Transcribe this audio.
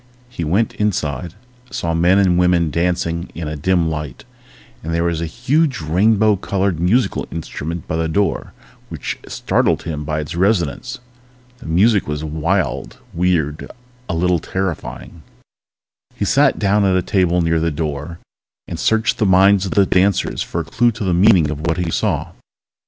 He went inside, saw men and women dancing in a dim light, and there was a huge, rainbow colored musical instrument by the door which startled him by its resonance. The music was wild, weird, a little terrifying. He sat down at a table near the door and searched the minds of the dancers for a clue to the meaning of what he saw.